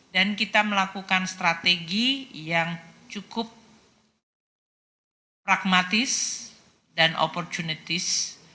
dan kita melakukan strategi yang cukup pragmatis dan opportunistik